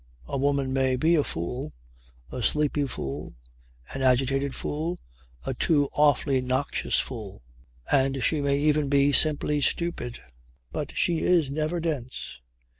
A woman may be a fool, a sleepy fool, an agitated fool, a too awfully noxious fool, and she may even be simply stupid. But she is never dense.